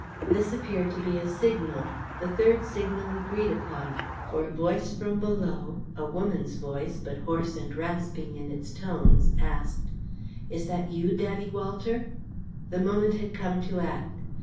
This appeared to be a signal, the third signal agreed upon, for a voice from below, a woman's voice, but hoarse and rasping in its tones, asked: "Is that you, Daddy Walter?" The moment had come to act.